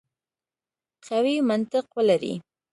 قوي منطق ولري.